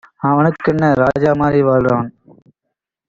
அவனுக்கென்ன ராஜா மாரி வாழ்றான்